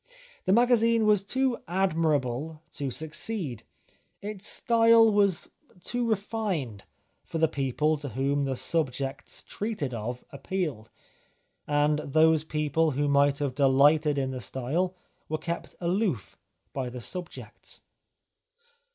The magazine was too admirable to succeed. Its style was too refined for the people to whom the subjects treated of appealed, and those people who might have delighted in the style were kept aloof by the subjects.